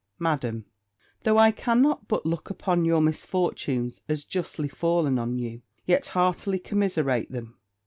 Madam, Though I cannot but look upon your misfortunes as justly fallen on you, yet heartily commiserate them.